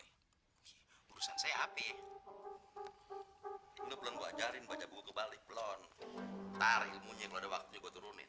hai urusan saya api belum ngajarin baca buku kebalik lon tarik muncul ada waktu gue turunin